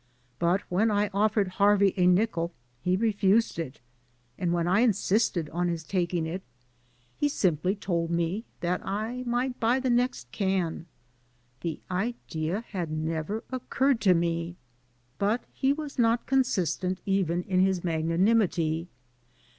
But when I offered Harvey a nickel he refused it, and when I insisted on his taking AN AMERICAN IN THE MAKING it he simply told me that I might buy the next can. The idea had never occurred to me. But he was not consistent even in his magnanimity.